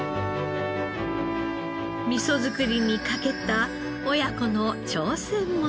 味噌造りにかけた親子の挑戦物語です。